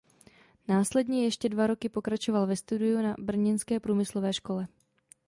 Následně ještě dva roky pokračoval ve studiu na brněnské průmyslové škole.